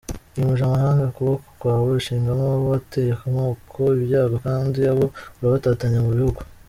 Wimuje amahanga ukuboko kwawe ushingamo abo, Wateye amoko ibyago kandi abo urabatatanya mu bihugu